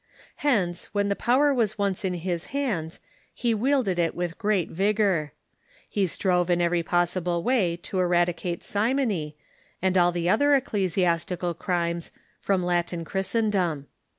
Hence, when the power Avas once in his hands, he wielded it with great vigor. He strove in every possible way to eradi cate simony, and all the other ecclesiastical crimes, from Latin Christendom.